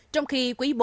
trong khi quý bốn